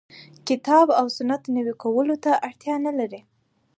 کتاب او سنت نوي کولو ته اړتیا نه لري.